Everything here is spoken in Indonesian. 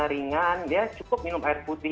ringan dia cukup minum air putih